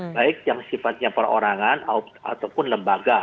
baik yang sifatnya perorangan ataupun lembaga